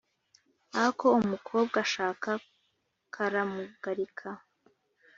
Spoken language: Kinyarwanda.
Ako umukobwa ashaka karamugarika.